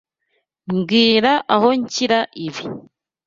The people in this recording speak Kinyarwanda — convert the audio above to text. Mbwira aho nshyira ibi.